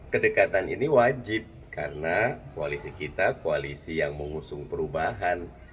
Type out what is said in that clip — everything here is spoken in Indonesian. kedekatan ini wajib karena koalisi kita koalisi yang mengusung perubahan